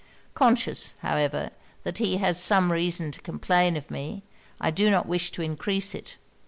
Conscious, however, that he has some reason to complain of me, I do not wish to increase it.